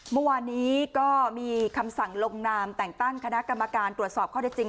เมื่อวานนี้ก็มีคำสั่งลงนามแต่งตั้งคณะกรรมการตรวจสอบข้อได้จริง